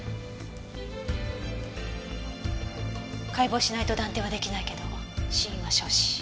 解剖しないと断定は出来ないけど死因は焼死。